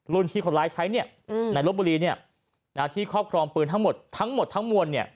รุ่นที่คนร้ายใช้ในรถบุรีที่ครอบครองปืนทั้งหมดทั้งมวล